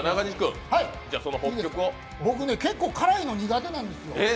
僕、結構、辛いの苦手なんですよ。